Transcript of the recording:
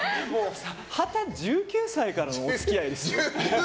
１９歳からのお付き合いですからね。